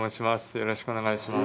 よろしくお願いします。